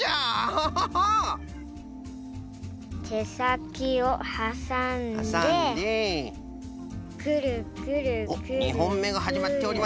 よしけさきをはさんで。